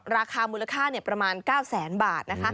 ราคามูลค่าประมาณ๙๐๐๐๐๐บาท